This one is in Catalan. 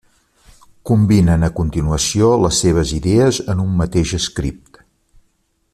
Combinen a continuació les seves idees en un mateix script.